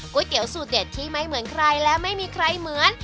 เตี๋ยวสูตรเด็ดที่ไม่เหมือนใครและไม่มีใครเหมือน